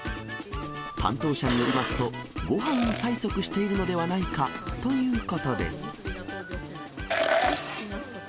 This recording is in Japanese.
担当者によりますと、ごはんを催促しているのではないかということです。